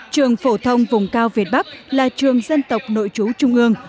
trường phổ thông vùng cao việt bắc là trường dân tộc nội chú trung ương